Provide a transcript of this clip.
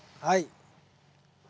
はい。